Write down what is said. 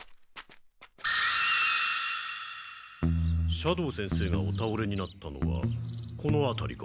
斜堂先生がおたおれになったのはこのあたりか？